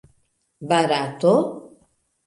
Barato?